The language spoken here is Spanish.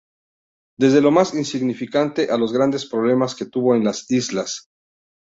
Desde lo más insignificante a los grandes problemas que tuvo en las Islas.